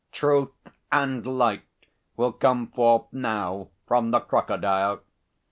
Truth and light will come forth now from the crocodile.